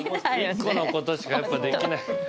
一個の事しかやっぱできない。